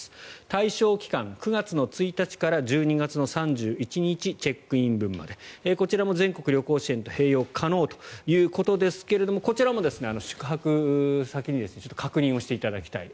対象期間、９月１日から１２月３１日チェックイン分までこちらも全国旅行支援と併用可能ということですがこちらも宿泊先に確認をしていただきたい。